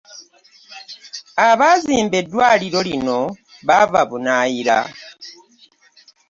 Abaazimba eddwaliro lino baava bunaayira.